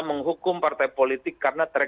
menghukum partai politik karena